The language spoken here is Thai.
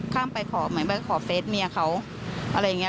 ข้ามไปขอเหมือนไปขอเฟสเมียเขาอะไรอย่างนี้